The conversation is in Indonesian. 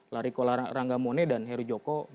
larikola ranggamone dan heru joko